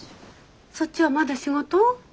そっちはまだ仕事？